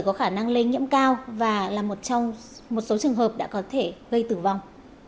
có khả năng lây nhiễm cao và là một trong một số trường hợp đã có thể gây tử vong